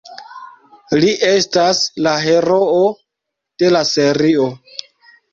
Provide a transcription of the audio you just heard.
Li estas la heroo de la serio.